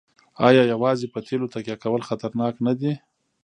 آیا یوازې په تیلو تکیه کول خطرناک نه دي؟